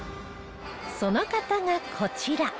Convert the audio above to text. その方がこちら